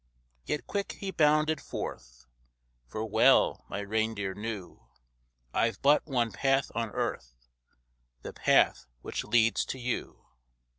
Yet quick he bounded forth; For well my reindeer knew I've but one path on earth The path which leads to you.